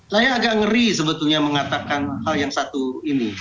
saya agak ngeri sebetulnya mengatakan hal yang satu ini